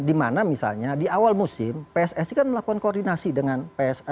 di mana misalnya di awal musim pssi kan melakukan koordinasi dengan pes